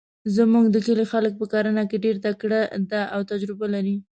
زموږ د کلي خلک په کرنه کې ډیرتکړه ده او تجربه لري